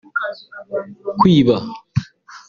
kwiba